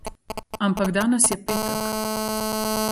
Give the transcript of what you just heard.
Ampak danes je petek.